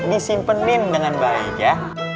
disimpenin dengan baik ya